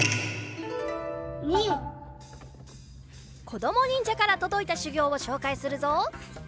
こどもにんじゃからとどいたしゅぎょうをしょうかいするぞ。